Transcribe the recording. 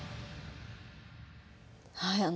はい。